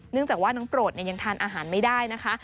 จากว่าน้องโปรดยังทานอาหารไม่ได้นะคะ